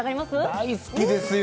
大好きですよ。